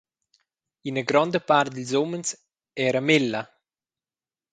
Ina gronda part dils umens era mélla.